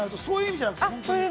そういう意味じゃなくて。